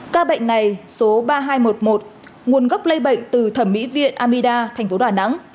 ca bệnh này số ba nghìn hai trăm một mươi một nguồn gốc lây bệnh từ thẩm mỹ viện amida thành phố đà nẵng